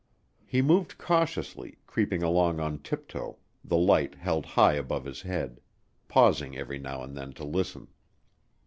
He moved cautiously, creeping along on tiptoe, the light held high above his head, pausing every now and then to listen.